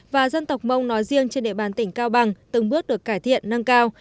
và dân tộc mông nói riêng trên địa bàn tỉnh cao bằng từng bước được cải thiện nâng cao